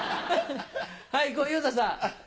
はい小遊三さん。